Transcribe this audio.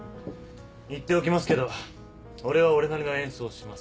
言っておきますけど俺は俺なりの演奏をしますから。